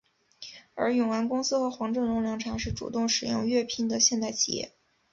而永安公司和黄振龙凉茶是主动使用粤拼的现代企业。